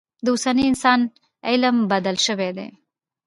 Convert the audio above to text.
د اوسني انسان علم بدل شوی دی.